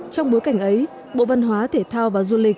trong bối cảnh ấy bộ văn hóa thể thao và du lịch